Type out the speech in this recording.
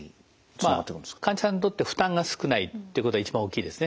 まあ患者さんにとって負担が少ないということが一番大きいですね。